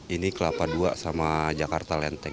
ini kelapa dua sama jakarta lenteng